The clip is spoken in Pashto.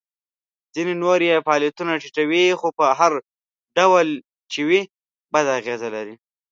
ځینې نور یې فعالیتونه ټیټوي خو په هر ډول چې وي بده اغیزه لري.